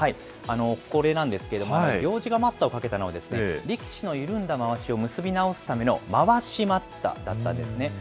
これなんですけども、行司が待ったをかけたのは、力士の緩んだまわしを結び直すための、まわし待っただったんですね。